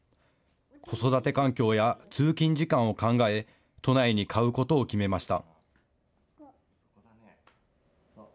子育て環境や通勤時間を考え都内に買うことを決めました。